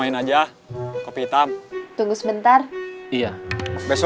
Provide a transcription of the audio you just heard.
itu juga aku udah tau